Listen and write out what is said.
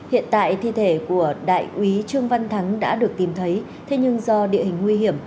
hiện tại thi thể của đại úy trương văn thắng đã được tìm thấy thế nhưng do địa hình nguy hiểm